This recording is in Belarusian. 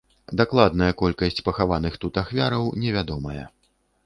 Дакладная колькасць пахаваных тут ахвяраў невядомая.